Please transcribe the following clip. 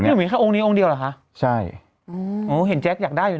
หนูมีแค่องค์นี้องค์เดียวเหรอคะใช่อืมโอ้เห็นแจ๊คอยากได้อยู่